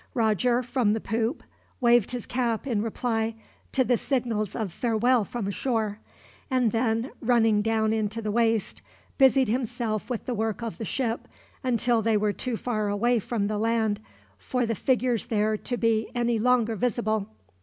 Roger, from the poop, waved his cap in reply to the signals of farewell from shore; and then, running down into the waist, busied himself with the work of the ship, until they were too far away from the land for the figures there to be any longer visible.